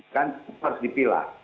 kan harus dipilah